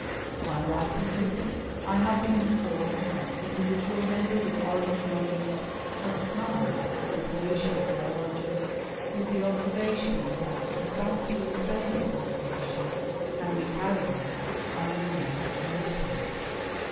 " While writing this, I have been informed that individual " members of Orange Lodges have smiled at the dissolution of " their Lodges, with the observation, tliat precisely the same " association can be carried on under the name of Masonry.